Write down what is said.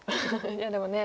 いやでもね